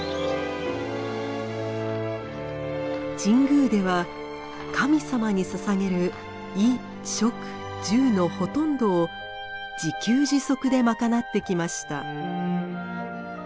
神宮では神様にささげる衣・食・住のほとんどを自給自足で賄ってきました。